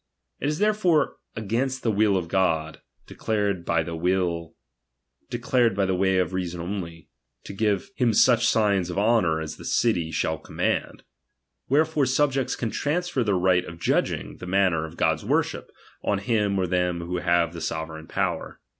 It is not therefore against the will of ^^■d) declared by the way of reason only, to give . only, i!iB CHAP, ,\v. bim such signs of honour as the city shall com ' mand. Wlierefore subjects can transfer their right of judging the manner of God's worship, on him or them who have the sovereign power.